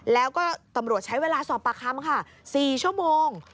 แล้วก็ตำรวจใช้เวลาสอบปากคำค่ะ๔ชั่วโมง